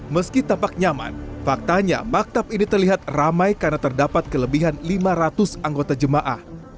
meski tampak nyaman faktanya maktab ini terlihat ramai karena terdapat kelebihan lima ratus anggota jemaah